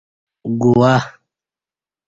گوا